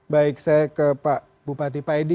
baik saya ke pak bupati pak edi